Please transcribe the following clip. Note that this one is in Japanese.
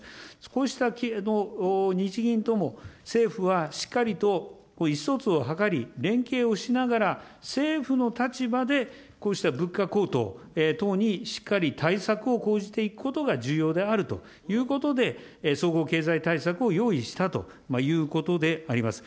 こうした日銀とも、政府はしっかりと意思疎通を図り連携をしながら、政府の立場で、こうした物価高騰等にしっかり対策を講じていくことが重要であるということで、総合経済対策を用意したということであります。